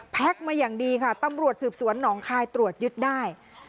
มาอย่างดีค่ะตำรวจสืบสวนหนองคายตรวจยึดได้